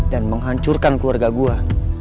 dan menghancurkan keluarga gue